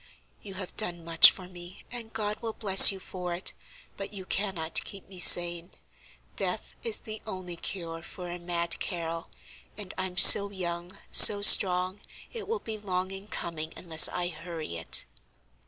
You have done much for me, and God will bless you for it, but you cannot keep me sane. Death is the only cure for a mad Carrol, and I'm so young, so strong, it will be long in coming unless I hurry it."